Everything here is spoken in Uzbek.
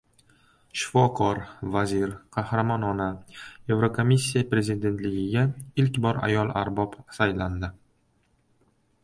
Shifokor. Vazir. Qahramon ona. Yevrokomissiya prezidentligiga ilk bor ayol arbob saylandi